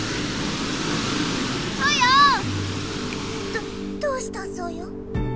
どどうしたソヨ？